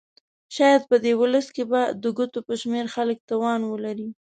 شاید په دې ولس کې به د ګوتو په شمېر خلک توان ولري.